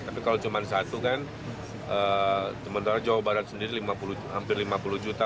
tapi kalau cuma satu kan sementara jawa barat sendiri hampir lima puluh juta